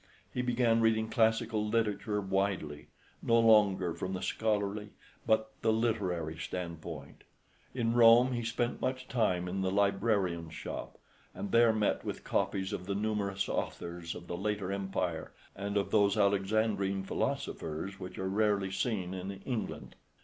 He began reading classical literature widely, no longer from the scholarly but the literary standpoint. In Rome he spent much time in the librarians' shops, and there met with copies of the numerous authors of the later empire and of those Alexandrine philosophers which are rarely seen in England.